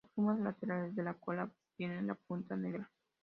Las plumas laterales de la cola tienen la punta negra.